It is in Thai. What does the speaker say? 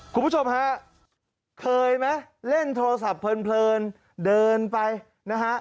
คุณผู้ชมฮะเคยไหมเล่นโทรศัพท์เพลินเดินไปนะฮะ